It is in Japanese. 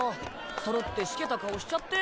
そろってシケた顔しちゃって。